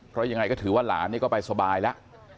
เพราะอย่างไรก็ถือว่าหลานเนี่ยก็ไปสบายละ